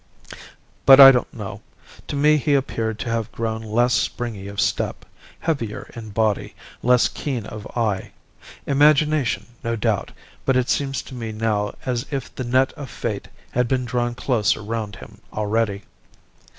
"But I don't know. To me he appeared to have grown less springy of step, heavier in body, less keen of eye. Imagination, no doubt; but it seems to me now as if the net of fate had been drawn closer round him already.